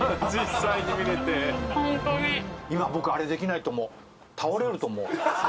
今僕あれできないと思う。